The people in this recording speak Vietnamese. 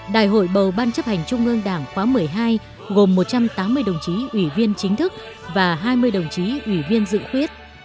đại hội bầu ban chấp hành trung ương đảng khóa một mươi hai gồm một trăm tám mươi đồng chí ủy viên chính thức và hai mươi đồng chí ủy viên dự khuyết